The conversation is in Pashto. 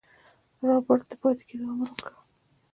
رابرټ د پاتې کېدو امر وکړ.